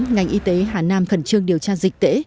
ngành y tế hà nam khẩn trương điều tra dịch tễ